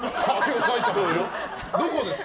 どこですか？